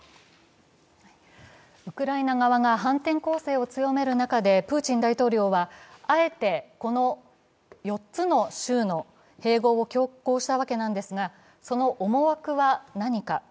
ウクライナ側が反転攻勢を強める中でプーチン大統領は、あえてこの４つの州の併合を強行したわけなんですが、その思惑は何か。